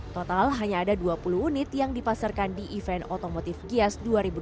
total hanya ada dua puluh unit yang dipasarkan di event otomotif gias dua ribu dua puluh